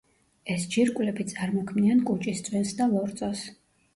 ეს ჯირკვლები წარმოქმნიან კუჭის წვენს და ლორწოს.